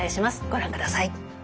ご覧ください。